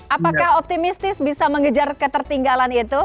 apakah optimistis bisa mengejar ketertinggalan itu